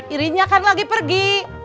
irinya kan lagi pergi